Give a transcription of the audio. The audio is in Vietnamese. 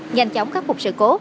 nhanh chóng khắc phục sự cố